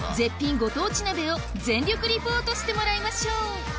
ご当地鍋を全力リポートしてもらいましょう